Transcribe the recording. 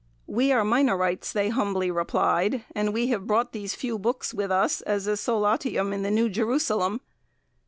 'We are Minorites,' they humbly replied, 'and we have brought these few books with us as a solatium in the new Jerusalem.'